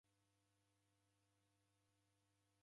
Oko na lumenyo luzamie.